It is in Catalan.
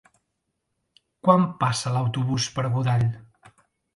Quan passa l'autobús per Godall?